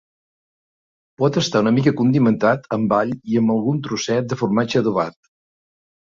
Pot estar una mica condimentat amb all i amb algun trosset de formatge adobat.